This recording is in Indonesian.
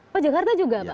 pak jakarta juga pak